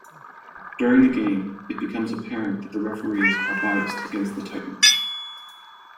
During the game, it becomes apparent that the referees are biased against the Titans.